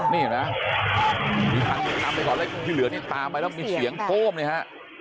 นี่เห็นมั้ยฮะที่เหลือนี่ตามไปแล้วมีเสียงโก้มนะฮะ